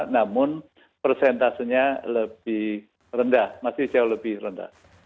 namun persentasenya lebih rendah masih jauh lebih rendah